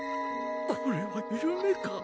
これは夢か？